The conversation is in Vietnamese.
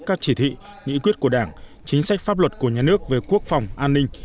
các chỉ thị nghị quyết của đảng chính sách pháp luật của nhà nước về quốc phòng an ninh